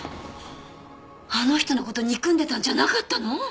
あの人の事憎んでたんじゃなかったの？